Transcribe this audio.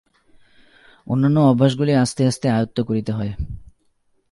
অন্যান্য অভ্যাসগুলি আস্তে আস্তে আয়ত্ত করিতে হয়।